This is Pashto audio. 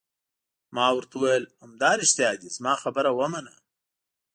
ما ورته وویل: همدارښتیا دي، زما خبره ومنه.